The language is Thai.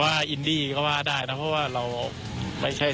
ภาพยนตร์เรื่องนี้นะคะคาดว่าจะใช้ระยะเวลาในการถ่ายธรรมประมาณ๒เดือนเสร็จนะคะ